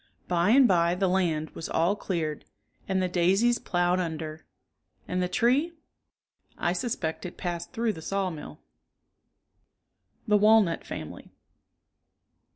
By and by the land was all cleared and the daisies ploughed under. And the tree.^^ I suspect it passed through the sawmill. THE WALNUT FAMILY.